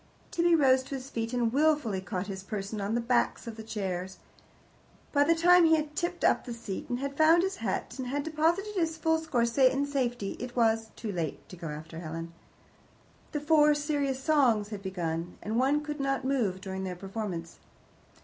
Tibby rose to his feet, and wilfully caught his person on the backs of the chairs. By the time he had tipped up the seat and had found his hat, and had deposited his full score in safety, it was "too late" to go after Helen. The Four Serious Songs had begun, and one could not move during their performance.